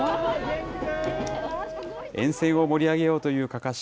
沿線を盛り上げようというかかし。